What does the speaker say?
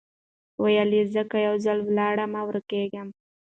ویل زه که یو ځل ولاړمه ورکېږم